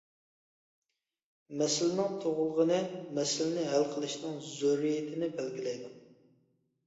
مەسىلىنىڭ تۇغۇلغىنى مەسىلىنى ھەل قىلىشنىڭ زۆرۈرىيىتىنى بەلگىلەيدۇ.